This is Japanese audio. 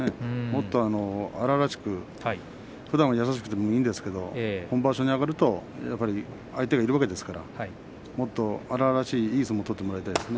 もっと荒々しくふだんは優しくてもいいんですけど本場所に上がると相手がいるわけですからもっと荒々しい、いい相撲を取ってもらいたいです。